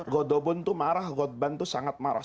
godobon itu marah godban itu sangat marah